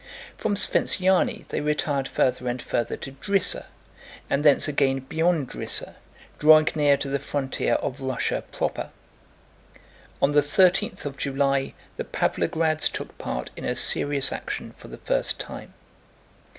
From Sventsyáni they retired farther and farther to Drissa, and thence again beyond Drissa, drawing near to the frontier of Russia proper. On the thirteenth of July the Pávlograds took part in a serious action for the first time.